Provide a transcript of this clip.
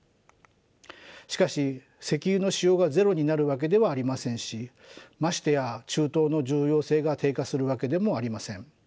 しかし石油の使用がゼロになるわけではありませんしましてや中東の重要性が低下するわけでもありません。